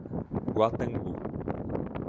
Guatambu